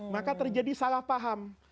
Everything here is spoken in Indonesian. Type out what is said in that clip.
maka terjadi salah paham